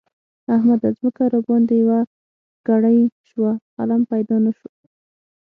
احمده! ځمکه راباندې يوه کړۍ شوه؛ قلم پيدا نه شو.